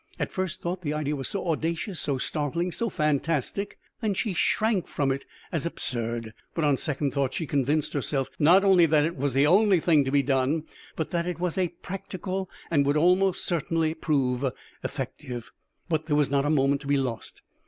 At first thought the idea was so audacious, so startling, so fantastic, that she shrank from it as absurd. But on second thoughts she convinced herself not only that it was the one thing to be done, but also that it was practical and would almost certainly prove effective. But there was not a moment to be lost.